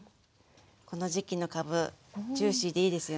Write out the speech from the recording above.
この時期のかぶジューシーでいいですよね。